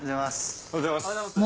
おはようございます。